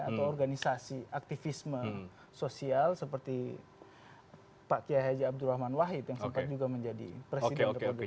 atau organisasi aktivisme sosial seperti pak kiai haji abdurrahman wahid yang sempat juga menjadi presiden republik